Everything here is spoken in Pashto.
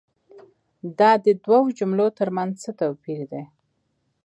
دا دي دوو جملو تر منځ څه توپیر دی؟